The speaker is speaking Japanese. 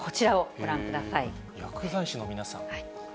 薬剤師の皆さん。